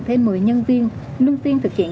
thêm một mươi nhân viên lưu tiên thực hiện